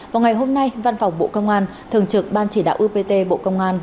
vào ngày hôm nay văn phòng bộ công an thường trực ban chỉ đạo upt bộ công an